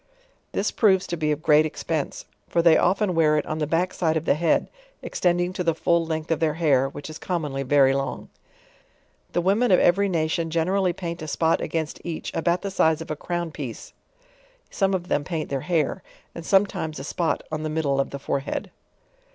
This proves to be of great expense, for they often wear it LE, WIS AND CLAKE. 4<j on the back side of the head, extending to the full length of their hair, which is commonly very long. The women of every nation generally paint a spot against each about the size of a crown piece, some of them paint their hair, and sometimes a Bpot on the middle of the fore head.